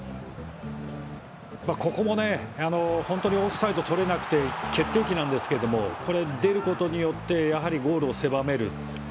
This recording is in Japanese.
本当にここはオフサイドがとれなくて決定機なんですけど出ることによってゴールを狭める。